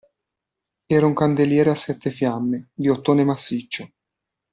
Era un candeliere a sette fiamme, di ottone massiccio.